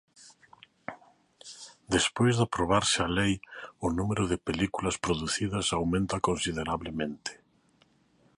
Despois de aprobarse a lei o número de películas producidas aumenta considerablemente.